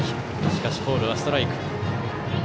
しかし、コールはストライク。